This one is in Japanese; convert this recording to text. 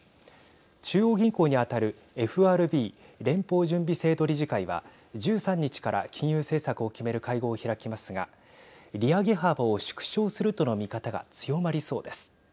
中央銀行に当たるＦＲＢ＝連邦準備制度理事会は１３日から金融政策を決める会合を開きますが利上げ幅を縮小するとの見方が強まりそうです。